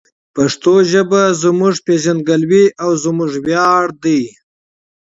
پښتو ژبه زموږ هویت او زموږ ویاړ دی.